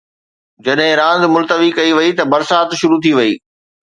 جڏهن راند ملتوي ڪئي وئي ته برسات شروع ٿي وئي.